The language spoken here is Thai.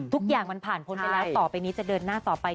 ทุกอย่างมันผ่านพ้นไปแล้วต่อไปนี้จะเดินหน้าต่อไป